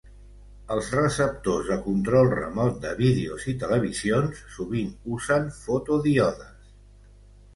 Els receptors de control remot de vídeos i televisions sovint usen fotodíodes.